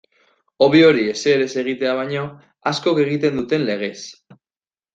Hobe hori ezer ez egitea baino, askok egiten duten legez.